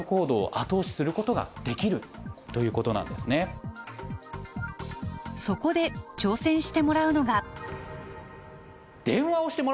つまりそこで挑戦してもらうのが。